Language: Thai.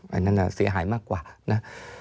อันนั้นเสียหายมากกว่านะ